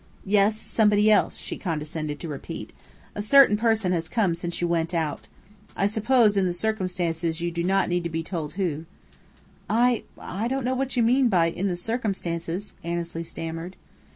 "Yes, somebody else," she condescended to repeat. "A certain person has come since you went out. I suppose, in the circumstances, you do not need to be told who." "I I don't know what you mean by 'in the circumstances'," Annesley stammered.